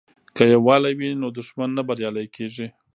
که یووالی وي نو دښمن نه بریالی کیږي.